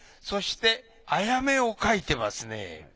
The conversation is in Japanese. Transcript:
そしてあやめを描いてますね。